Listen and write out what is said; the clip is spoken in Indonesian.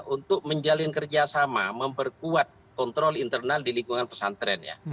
untuk menjalin kerjasama memperkuat kontrol internal di lingkungan pesantren ya